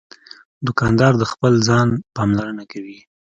دوکاندار د خپل ځان پاملرنه کوي.